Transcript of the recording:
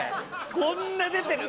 こんな出てる。